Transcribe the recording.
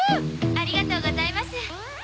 ありがとうございます。